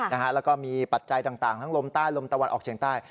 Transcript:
แล้วก็มีปัจจัยต่างทั้งลมใต้ลมตะวันออกเฉียงใต้